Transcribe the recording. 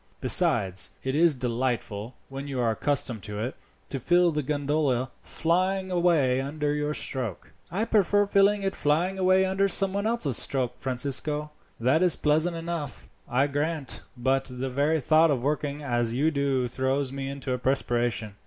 Besides, it is delightful, when you are accustomed to it, to feel the gondola flying away under your stroke." "I prefer feeling it fly away under some one else's stroke, Francisco. That is pleasant enough, I grant; but the very thought of working as you do throws me into a perspiration.